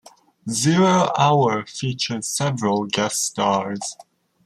"Zero Hour" features several guest stars.